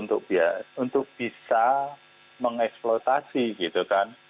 untuk bisa mengeksploitasi gitu kan